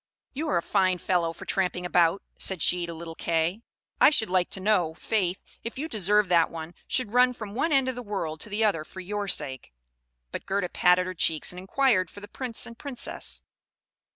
"You are a fine fellow for tramping about," said she to little Kay; "I should like to know, faith, if you deserve that one should run from one end of the world to the other for your sake?" But Gerda patted her cheeks, and inquired for the Prince and Princess.